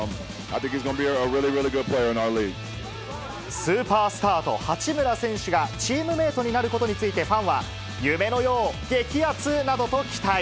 スーパースターと八村選手がチームメートになることについて、ファンは、夢のよう、激熱などと期待。